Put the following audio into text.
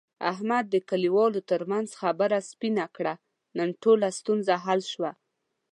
احمد د کلیوالو ترمنځ خبره سپینه کړه. نن ټوله ستونزه حل شوه.